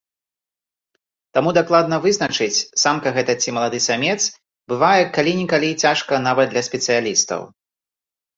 Таму дакладна вызначыць, самка гэта ці малады самец, бывае калі-нікалі цяжка нават для спецыялістаў.